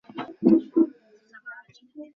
চট করে না বলে দিও না।